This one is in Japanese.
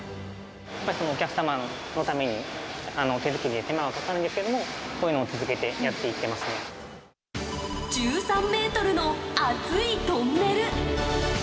お客様のために、手作りで手間はかかるんですけど、こういうのも続けて、やっていっ１３メートルの熱いトンネル。